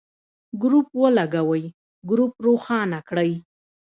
ګروپ ولګوئ ، ګروپ روښانه کړئ.